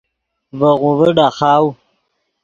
ڤے غوڤے ڈاخاؤ